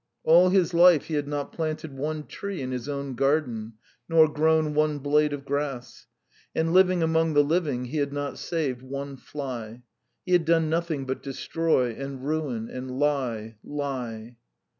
All his life he had not planted one tree in his own garden, nor grown one blade of grass; and living among the living, he had not saved one fly; he had done nothing but destroy and ruin, and lie, lie.